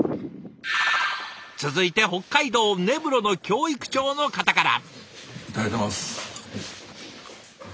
続いて北海道・根室の教育庁の方から。